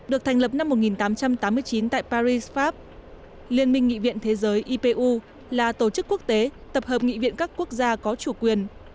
được thành lập năm một nghìn tám trăm tám mươi chín tại paris pháp liên minh nghị viện thế giới ipu là tổ chức quốc tế tập hợp nghị viện các quốc gia có chủ quyền